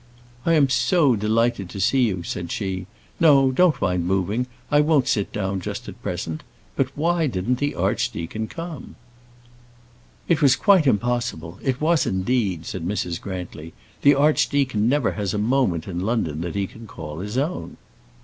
"I am so delighted to see you," said she. "No, don't mind moving; I won't sit down just at present. But why didn't the archdeacon come?" "It was quite impossible; it was indeed," said Mrs. Grantly. "The archdeacon never has a moment in London that he can call his own."